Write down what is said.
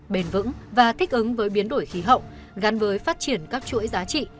bền vững và thích ứng với biến đổi khí hậu gắn với phát triển các chuỗi giá trị